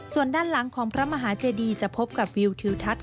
ส่วนด้านหลังของพระมหาเจดีจะพบกับวิวทิวทัศน